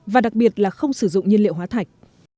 và đặc biệt là không sử dụng nhiên liệu hóa thạch